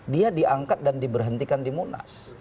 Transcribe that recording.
dia diangkat dan diberhentikan di munas